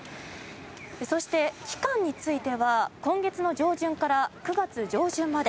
そして、期間については今月の上旬から９月上旬まで。